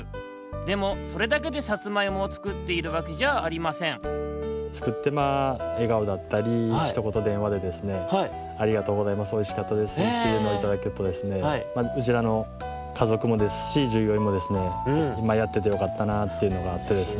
でもそれだけでさつまいもをつくっているわけじゃありませんつくってまあえがおだったりひとことでんわでですねありがとうございますおいしかったですっていうのをいただくとですねうちらのかぞくもですしじゅうぎょういんもですねやっててよかったなというのがあってですね。